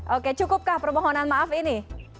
oke cukupkah permohonan maaf ini